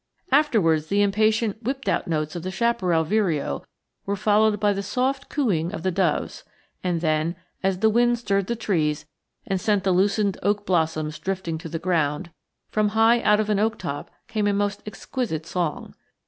Afterwards the impatient whipped out notes of the chaparral vireo were followed by the soft cooing of doves; and then, as the wind stirred the trees and sent the loosened oak blossoms drifting to the ground, from high out of an oak top came a most exquisite song.